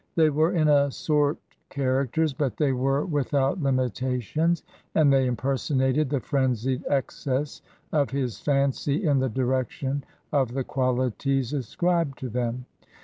They were in a sort characters, but they were without limitations, and they impersonated the frenzied excess of his fancy in the di rection of the qualities ascribed to them.